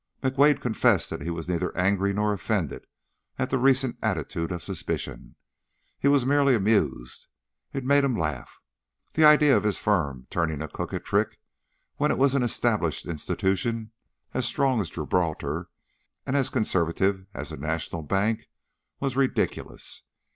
McWade confessed that he was neither angry nor offended at the recent attitude of suspicion he was merely amused. It made him laugh. The idea of his firm turning a crooked trick, when it was an established institution as strong as Gibraltar and as conservative as a national bank, was ridiculous.